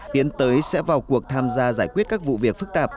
tiến tới sẽ vào cuộc tham gia giải quyết các vụ việc phức tạp